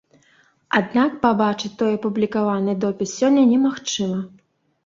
Аднак пабачыць той апублікаваны допіс сёння немагчыма.